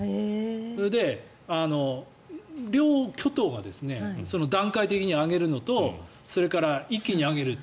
それで、両巨頭が段階的に上げるのとそれから一気に上げる。